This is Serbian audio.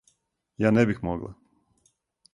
Ја не бих могла.